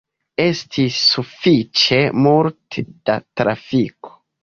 Estis sufiĉe multe da trafiko.